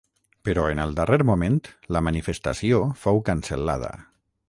Però en el darrer moment la manifestació fou cancel·lada.